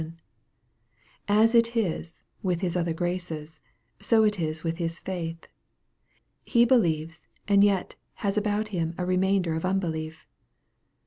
And as it is with his othe,r graces, so it is with his faith. He believes, and yet has about him a remainder of unbelief.